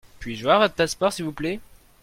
Puis-je voir votre passeport s'il vous plait ?